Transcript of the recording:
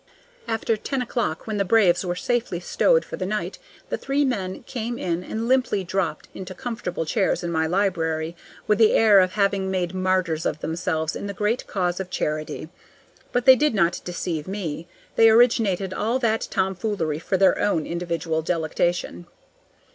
After ten o'clock, when the braves were safely stowed for the night, the three men came in and limply dropped into comfortable chairs in my library, with the air of having made martyrs of themselves in the great cause of charity. But they did not deceive me. They originated all that tomfoolery for their own individual delectation.